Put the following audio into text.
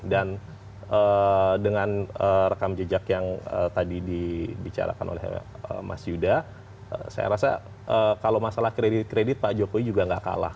dan dengan rekam jejak yang tadi dibicarakan oleh mas yuda saya rasa kalau masalah kredit kredit pak jokowi juga tidak kalah